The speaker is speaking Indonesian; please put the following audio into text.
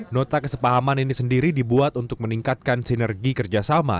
nota kesepahaman ini sendiri dibuat untuk meningkatkan sinergi kerjasama